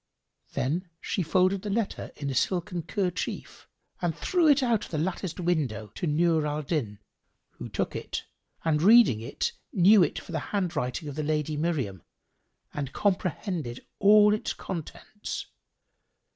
Then she folded the letter in a silken kerchief and threw it out of the latticed window to Nur al Din, who took it and reading it, knew it for the handwriting of the Lady Miriam and comprehended all its contents.